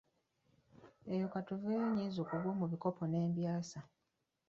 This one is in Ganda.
Eyo ka tuveeyo nnyinza okugwa mu bikopo ne mbyasa.